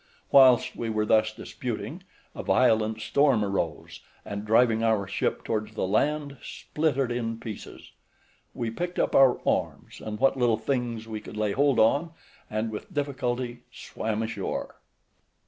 Whilst we were thus disputing a violent storm arose, and driving our ship towards the land, split it in pieces. We picked up our arms, and what little things we could lay hold on, and with difficulty swam ashore.